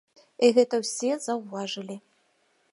І гэта ўсе заўважылі.